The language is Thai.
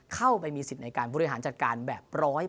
เข้าไปมีสิทธิ์ในการบริหารจัดการแบบ๑๐๐